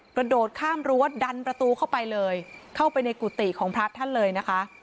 กระโดดข้ามรั้วดันประตูเข้าไปเลยเข้าไปในกุฏิของพระท่านเลยนะคะ